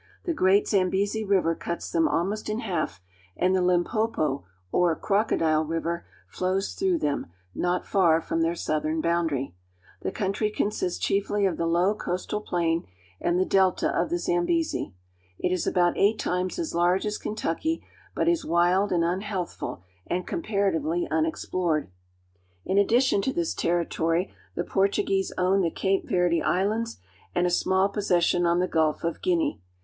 The great Zambezi River cuts them almost in half, and the Limpopo (lim p5'po), or Crocodile River, flows through them not far from their southern boundary. The country consists chiefly of the low coastal plain and the delta of the WITH THE PORTUGUESE IN AFRICA 265 Zambezi. It is about eight times as large as Kentucky, but is wild and unhealthful and comparatively unexplored. In addition to this territory the Portuguese own the Cape Verde Islands and a small possession on the Gulf of Guinea.